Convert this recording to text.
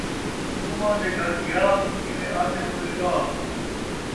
ݙوماں دے گھر ویاہ ، جین٘ویں آکھن اون٘ویں ڳا